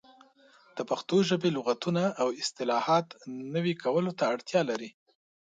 د پښتو ژبې لغتونه او اصطلاحات نوي کولو ته اړتیا لري.